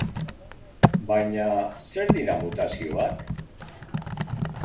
Baina, zer dira mutazioak?